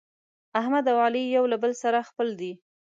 احمد او علي یو له بل سره خپل دي.